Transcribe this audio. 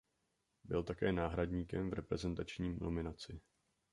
Byl také náhradníkem v reprezentační nominaci.